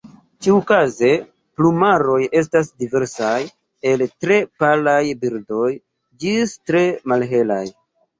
Ĉiukaze plumaroj estas diversaj el tre palaj birdoj ĝis tre malhelaj.